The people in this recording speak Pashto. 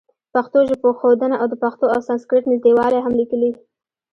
پښتو ژبښودنه او د پښتو او سانسکریټ نزدېوالی هم لیکلي.